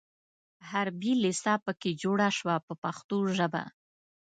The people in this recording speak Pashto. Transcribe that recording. حربي لېسه په کې جوړه شوه په پښتو ژبه.